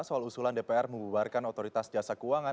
soal usulan dpr membubarkan otoritas jasa keuangan